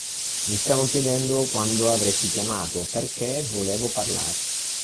Mi stavo chiedendo quando avresti chiamato perché volevo parlarti.